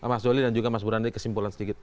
mas doli dan juga mas burande kesimpulan sedikit